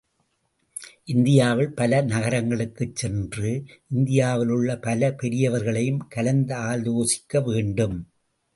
இந்தியாவில் பல நகரங்களுக்குச் சென்று, இந்தியாவிலுள்ள பல பெரியவர்களையும் கலந்தாலோசிக்க வேண்டும்.